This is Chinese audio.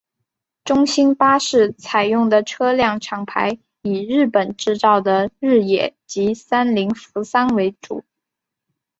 中兴巴士采用的车辆厂牌以日本制造的日野及三菱扶桑为主。